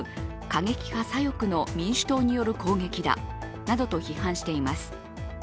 過激派左翼の民主党による攻撃だなどと批判しています。